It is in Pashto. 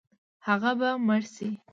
هغه به مړ شي.